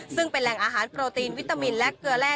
ซึ่งเป็นแหล่งอาหารโปรตีนวิตามินและเกลือแร่